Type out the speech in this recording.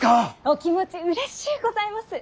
お気持ちうれしゅうございます。